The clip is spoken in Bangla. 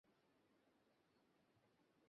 এই কোন দিকে তাকাচ্ছিস?